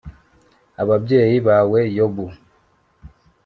ababyeyi bawe Yobu